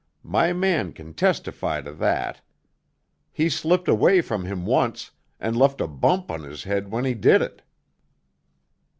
My man can testify to that. He slipped away from him once, and left a bump on his head when he did it."